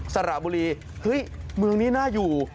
สระบุรีเฮ้ยเมืองนี้น่าอยู่